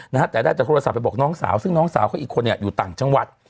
นะฮะแต่ได้แต่โทรศัพท์ไปบอกน้องสาวซึ่งน้องสาวเขาอีกคนเนี่ยอยู่ต่างจังหวัด